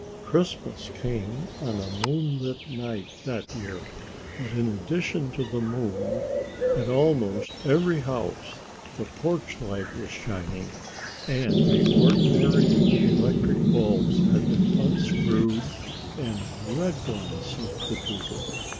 Christmas came on a moonlight night that year, but in addition to the moon, at almost every house the porch light was shining, and the ordinary electric bulbs had been unscrewed and red ones substituted.